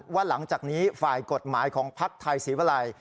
ว่าหลังจากนี้ฝ่ายกฎหมายของภักดิ์ไทยศรีวลัย